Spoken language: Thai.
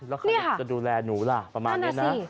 แล้วใครจะดูแลหนูล่ะประมาณนี้นะ